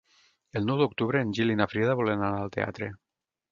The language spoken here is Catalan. El nou d'octubre en Gil i na Frida volen anar al teatre.